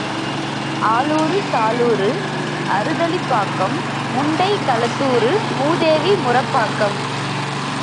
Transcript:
ஆலூரு, சாலுரு, அறுதலிப் பாக்கம், முண்டை களத்துாரு மூதேவி முறப்பாக்கம்.